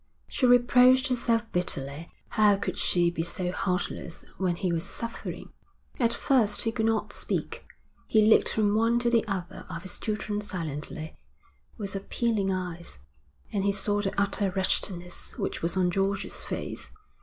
She reproached herself bitterly. How could she be so heartless when he was suffering? At first he could not speak. He looked from one to the other of his children silently, with appealing eyes; and he saw the utter wretchedness which was on George's face.